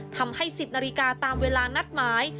ทำให้๑๐นาฬิกาตามเวลานัดหมาย